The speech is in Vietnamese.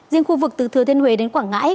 riêng khu vực từ thừa thiên huế đến quảng ngãi